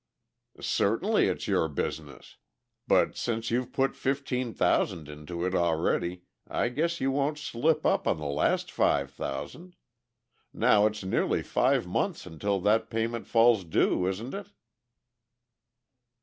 "Certainly it's your business. But since you've put fifteen thousand into it already I guess you won't slip up on the last five thousand. Now it's nearly five months until that payment falls due, isn't it?"